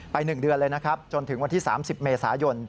๑เดือนเลยนะครับจนถึงวันที่๓๐เมษายน